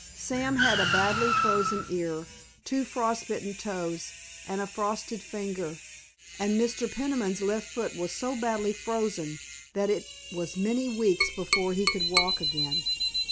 Sam had a badly frozen ear, two frost bitten toes, and a frosted finger, and Mr. Peniman's left foot was so badly frozen that it was many weeks before he could walk again.